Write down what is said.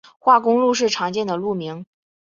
化工路是常见的路名。